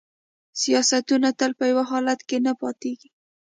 سیاستونه تل په یو حالت کې نه پاتیږي